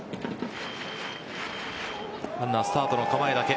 ランナー、スタートの構えだけ。